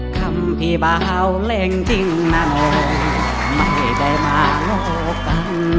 คำพี่บ้าเอาเล่นจริงนานโอไม่ได้มาโง่กัน